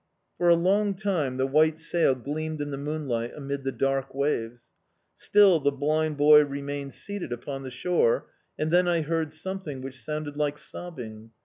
For a long time the white sail gleamed in the moonlight amid the dark waves. Still the blind boy remained seated upon the shore, and then I heard something which sounded like sobbing.